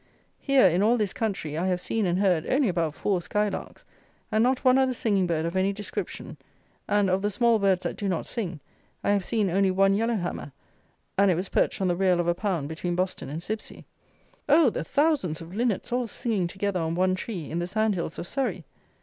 Here, in all this country, I have seen and heard only about four sky larks, and not one other singing bird of any description, and, of the small birds that do not sing, I have seen only one yellow hammer, and it was perched on the rail of a pound between Boston and Sibsey. Oh! the thousands of linnets all singing together on one tree, in the sand hills of Surrey!